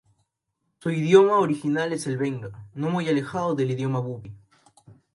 Su idioma original es el benga, no muy alejado del idioma bubi.